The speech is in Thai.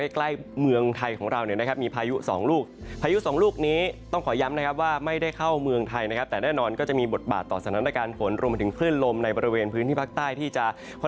ใกล้เมืองไทยของเรานี่นะครับมีพายุ๒ลูก